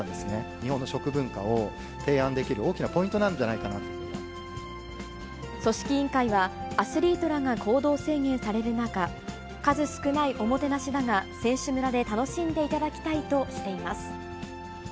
日本の食文化を提案できる大きな組織委員会は、アスリートらが行動制限される中、数少ないおもてなしだが、選手村で楽しんでいただきたいとしています。